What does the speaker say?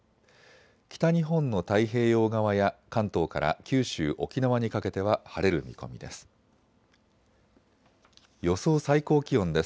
北日本の太平洋側や関東から九州沖縄にかけては晴れる見込みです。